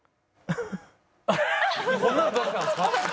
「こんなの撮ってたんですか？」